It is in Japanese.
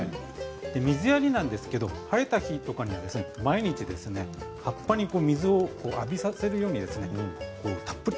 水やりですが晴れた日とかに毎日、葉っぱに水を浴びさせるようにたっぷり。